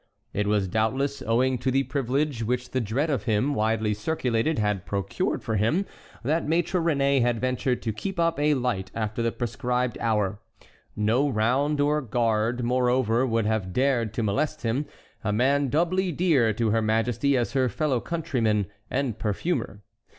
It was, doubtless, owing to the privilege which the dread of him, widely circulated, had procured for him, that Maître Réné had ventured to keep up a light after the prescribed hour. No round or guard, moreover, would have dared to molest him, a man doubly dear to her majesty as her fellow countryman and perfumer.